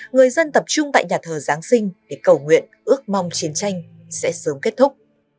người dân tập trung tại nhà thờ giáng sinh để cầu nguyện ước mong chiến tranh sẽ sớm kết thúc